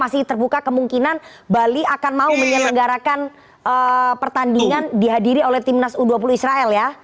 masih terbuka kemungkinan bali akan mau menyelenggarakan pertandingan dihadiri oleh timnas u dua puluh israel ya